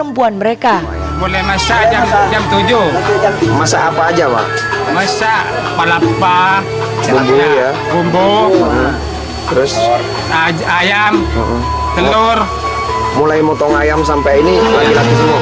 untuk memberikan yang terbaik buat sang istri maupun anak gadis perempuan mereka